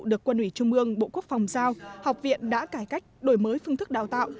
được quân ủy trung mương bộ quốc phòng giao học viện đã cải cách đổi mới phương thức đào tạo